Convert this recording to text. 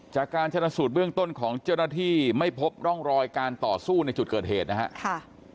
จากการชนะสูตรเบื้องต้นของเจ้าหน้าที่ไม่พบร่องรอยการต่อสู้ในจุดเกิดเหตุนะครับ